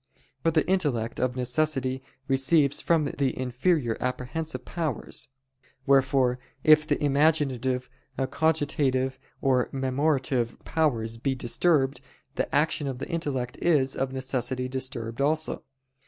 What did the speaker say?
For the intellect, of necessity, receives from the inferior apprehensive powers: wherefore if the imaginative, cogitative, or memorative powers be disturbed, the action of the intellect is, of necessity, disturbed also.